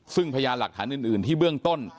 ซึ่งพยานหลักฐานอื่นที่เบื้องต้น